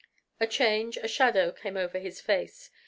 A change, a shadow came over his face.